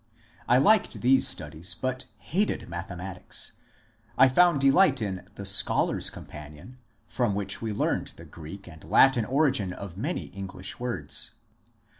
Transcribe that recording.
I liked these studies, but hated mathematics. I found delight in ^^The Scholar's Companion," from which we learned the Greek and Latin origin of many English words.